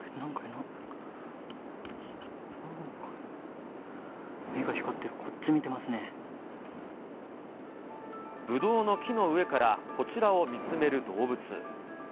なんかいる、ブドウの木の上から、こちらを見つめる動物。